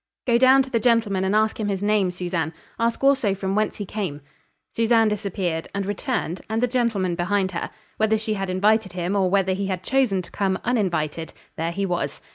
"Go down to the gentleman and ask him his name Susanne. Ask also from whence he came." Susanne disappeared, and returned, and the gentleman behind her. Whether she had invited him, or whether he had chosen to come uninvited, there he was.